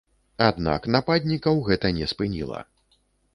Аднак нападнікаў гэта не спыніла.